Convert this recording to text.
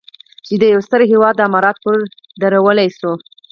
چې د یو ستر هېواد عمارت پرې درولی شو.